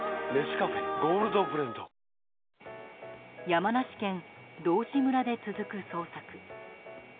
山梨県道志村で続く捜索。